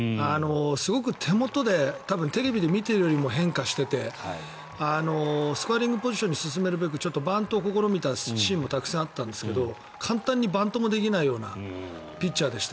すごく手元でテレビで見てるよりも変化しててスコアリングポジションに進めるべくバントを試みたシーンもあったんですけど簡単にバントもできないようなピッチャーでした。